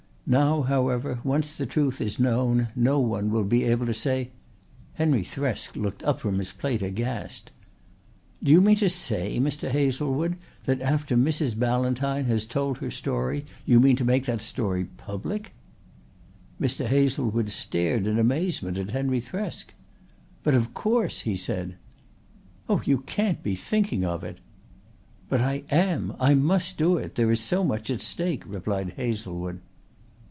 Now, however, once the truth is known no one will be able to say " Henry Thresk looked up from his plate aghast. "Do you mean to say, Mr. Hazlewood, that after Mrs. Ballantyne has told her story you mean to make that story public?" Mr. Hazlewood stared in amazement at Henry Thresk. "But of course," he said. "Oh, you can't be thinking of it!" "But I am. I must do it. There is so much at stake," replied Hazlewood.